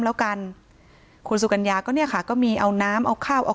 แล้วกันคุณสุกัญญาก็เนี่ยค่ะก็มีเอาน้ำเอาข้าวเอา